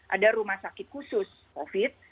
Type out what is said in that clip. ada rumah sakit khusus covid